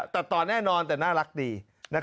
ตัดต่อแน่นอนแต่น่ารักดี